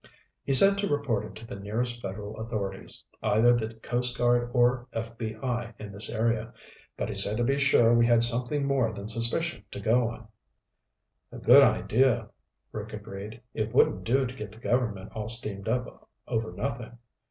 "He said to report it to the nearest Federal authorities, either the Coast Guard or FBI in this area. But he said to be sure we had something more than suspicion to go on." "A good idea," Rick agreed. "It wouldn't do to get the government all steamed up over nothing.